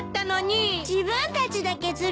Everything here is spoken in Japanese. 自分たちだけずるい！